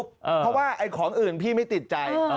เพราะว่าไอ้ของอื่นพี่ไม่ติดใจ